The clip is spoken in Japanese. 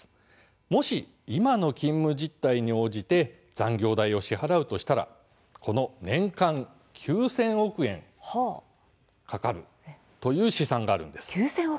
もし、今の勤務実態に応じて残業代を支払うとしたら年間９０００億円かかるという試算があるんです。